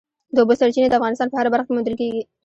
د اوبو سرچینې د افغانستان په هره برخه کې موندل کېږي.